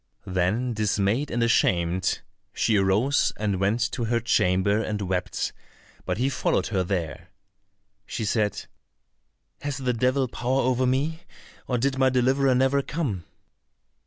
Then dismayed and ashamed, she arose and went to her chamber and wept, but he followed her there. She said, "Has the devil power over me, or did my deliverer never come?"